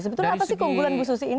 sebetulnya apa sih keunggulan bu susi ini